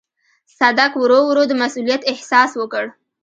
صدک ورو ورو د مسووليت احساس وکړ.